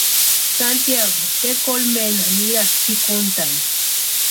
Santiagu tekolmena nirasti pʼikuntani.